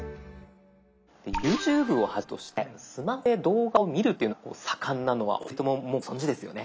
ＹｏｕＴｕｂｅをはじめとしてスマホで動画を見るっていうのが盛んなのはお二人とももうご存じですよね？